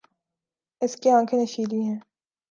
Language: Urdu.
اس کی آنکھیں نشیلی ہیں۔